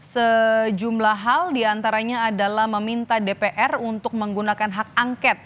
sejumlah hal diantaranya adalah meminta dpr untuk menggunakan hak angket